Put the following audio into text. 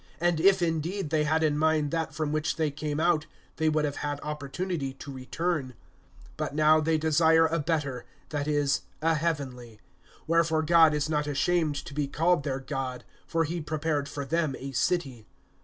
(15)And if indeed, they had in mind that from which they came out, they would have had opportunity to return. (16)But now[11:16] they desire a better, that is, a heavenly; wherefore God is not ashamed to be called their God; for he prepared for them a city.